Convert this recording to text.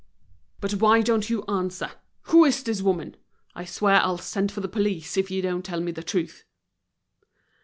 "But why don't you answer? who is this woman? I swear I'll send for the police, if you don't tell me the truth."